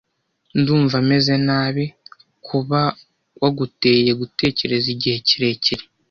Ndumva meze nabi kuba waguteye gutegereza igihe kirekire.